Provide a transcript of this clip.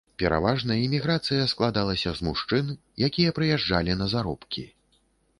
Пераважна іміграцыя складалася з мужчын, якія прыязджалі на заробкі.